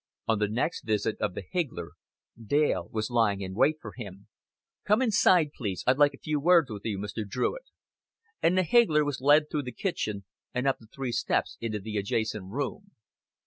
On the next visit of the higgler Dale was lying in wait for him. "Come inside, please. I'd like a few words with you, Mr. Druitt;" and the higgler was led through the kitchen, and up the three steps into the adjacent room.